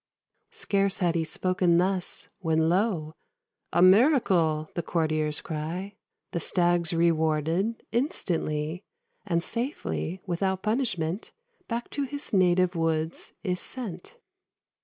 '" Scarce had he spoken thus, when, lo! "A miracle!" the courtiers cry. The Stags rewarded, instantly; And safely, without punishment, Back to his native woods is sent.